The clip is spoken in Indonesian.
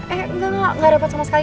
enggak enggak repot sama sekali